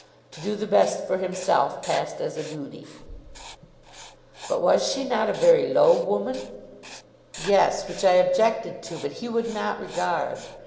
'To do the best for himself,' passed as a duty." "But was not she a very low woman?" "Yes; which I objected to, but he would not regard.